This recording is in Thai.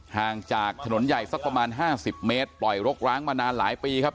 ห่างจากถนนใหญ่สักประมาณ๕๐เมตรปล่อยรกร้างมานานหลายปีครับ